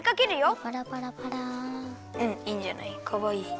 うんいいんじゃない？